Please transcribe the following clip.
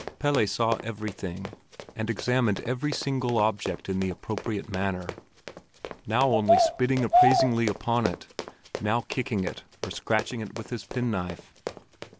Pelle saw everything, and examined every single object in the appropriate manner, now only spitting appraisingly upon it, now kicking it or scratching it with his penknife.